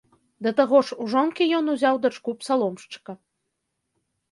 Да таго ж у жонкі ён узяў дачку псаломшчыка.